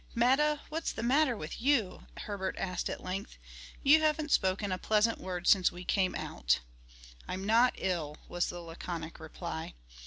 "Meta, what's the matter with you?" Herbert asked at length; "you haven't spoken a pleasant word since we came out." "I'm not ill," was the laconic reply.